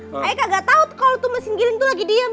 saya kagak tau kalau tuh mesin giling lagi diem